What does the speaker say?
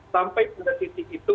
sampai pada sisi itu